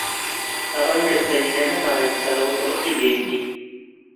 ڕەنگە سەمیرە نەزانێت کە ڕەوەز ڕقی لێیەتی.